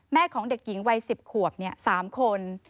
ของเด็กหญิงวัย๑๐ขวบ๓คน